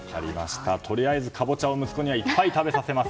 とりあえず、カボチャを息子にはいっぱい食べさせます。